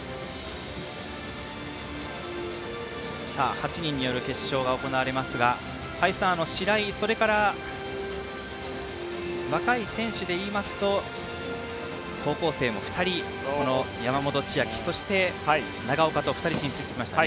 ８人による決勝が行われますが林さん、白井、それから若い選手で言いますと高校生も２人、山本千晶そして、長岡と２人進出しましたね。